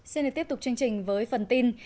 xin tiếp tục chương trình với phần tin